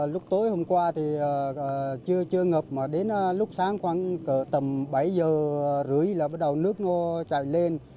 lúc tối hôm qua thì chưa ngập mà đến lúc sáng khoảng tầm bảy giờ rưỡi là bắt đầu nước ngô chạy lên